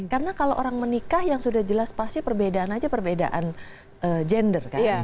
karena kalau orang menikah yang sudah jelas pasti perbedaan saja perbedaan gender kan